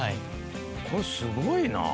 これすごいなあ。